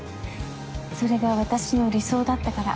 それが私の理想だったから。